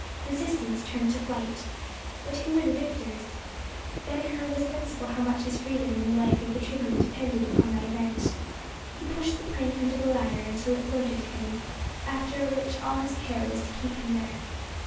Resistance turned to flight. But who were the victors? Ben Hur was sensible how much his freedom and the life of the tribune depended upon that event. He pushed the plank under the latter until it floated him, after which all his care was to keep him there.